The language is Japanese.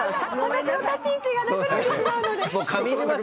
私の立ち位置がなくなってしまうので。